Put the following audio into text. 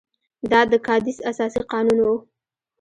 دا د کادیس اساسي قانون وو.